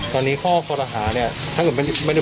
ตอนนี้ข้อพอรหาเนี่ย